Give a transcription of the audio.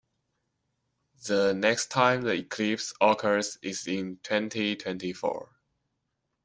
The next time the eclipse occurs is in twenty-twenty-four.